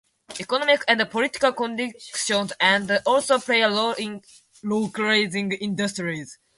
Economic and political conditions can also play a role in localizing industries.